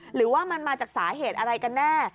หรือว่ามันมาจากสาเหตุอะไรกันแน่